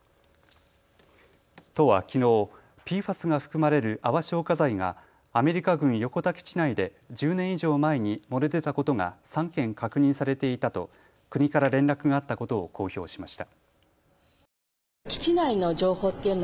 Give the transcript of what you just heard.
都はきのうＰＦＡＳが含まれる泡消火剤がアメリカ軍横田基地内で１０年以上前に漏れ出たことが３件確認されていたと国から連絡があったことを公表しました。